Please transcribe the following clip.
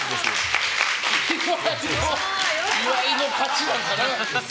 岩井の勝ちなのかな。